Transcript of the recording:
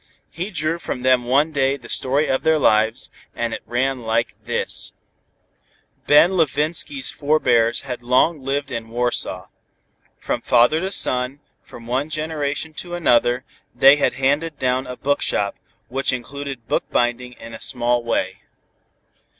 He drew from them one day the story of their lives, and it ran like this: Ben Levinsky's forebears had long lived in Warsaw. From father to son, from one generation to another, they had handed down a bookshop, which included bookbinding in a small way.